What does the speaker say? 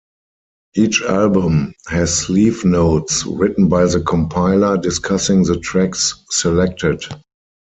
Each album has sleeve notes written by the compiler discussing the tracks selected.